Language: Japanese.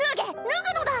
脱ぐのだ！